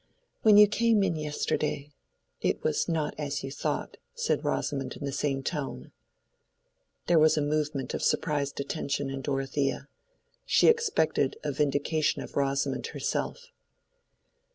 "When you came in yesterday—it was not as you thought," said Rosamond in the same tone. There was a movement of surprised attention in Dorothea. She expected a vindication of Rosamond herself.